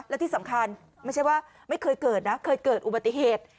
และที่สำคัญไม่ใช่ว่าไม่เคยเกิดนะเคยเกิดอุบัติเหตุ